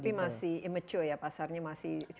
tapi masih immature ya pasarnya